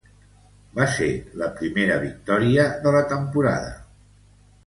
Va ser la primera victòria de la temporada.